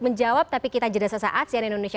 menjawab tapi kita jeda sesaat cnn indonesia